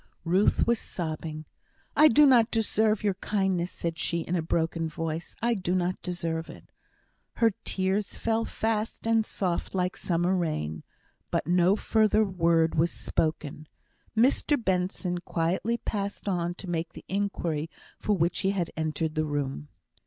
Ruth was sobbing. "I do not deserve your kindness," said she, in a broken voice; "I do not deserve it." Her tears fell fast and soft like summer rain, but no further word was spoken. Mr Benson quietly passed on to make the inquiry for which he had entered the room.